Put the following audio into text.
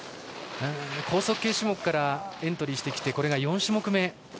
高速系種目からエントリーして４種目め。